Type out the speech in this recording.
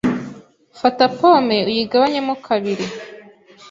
Fata pome uyigabanyemo kabiri.